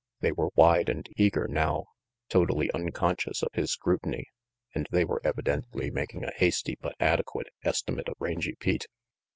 They were wide and eager now, totally unconscious of his scrutiny, and they were evidently making a hasty but adequate estimate of Rangy Pete.